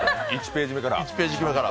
１ページ目から。